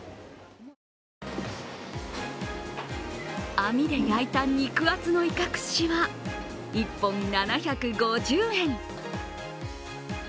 網で焼いた肉厚のいか串は１本７５０円。